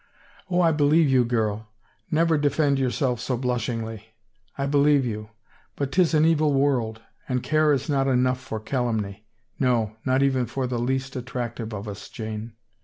" Oh, I believe you, girl — never defend yourself so blushinglyl I believe you — but 'tis an evil world, and care is not enough for calumny — no, not even for the least attractive of us, Jane."